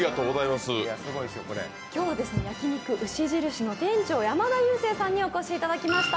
今日は、焼肉牛印の店長、山田裕成さんにお越しいただきました。